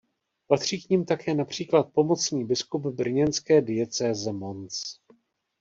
Patří k nim také například pomocný biskup brněnské diecéze Mons.